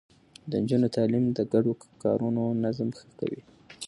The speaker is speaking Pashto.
د نجونو تعليم د ګډو کارونو نظم ښه کوي.